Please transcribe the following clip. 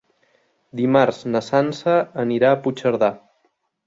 Dimarts na Sança anirà a Puigcerdà.